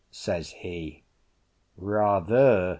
says he. "Rather!"